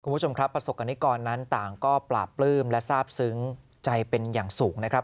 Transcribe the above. คุณผู้ชมครับประสบกรณิกรนั้นต่างก็ปราบปลื้มและทราบซึ้งใจเป็นอย่างสูงนะครับ